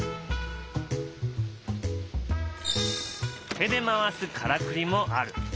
手で回すからくりもある。